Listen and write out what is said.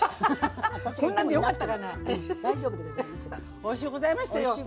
おいしゅうございました。